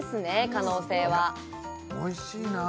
可能性はおいしいなあ